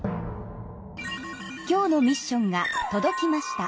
今日のミッションがとどきました。